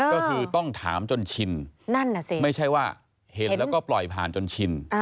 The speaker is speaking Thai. ก็คือต้องถามจนชินนั่นน่ะสิไม่ใช่ว่าเห็นแล้วก็ปล่อยผ่านจนชิน